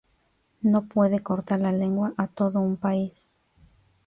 No puede cortar la lengua a todo un país.